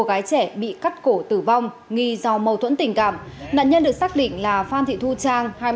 gái trẻ bị cắt cổ tử vong nghi do mâu thuẫn tình cảm nạn nhân được xác định là phan thị thu trang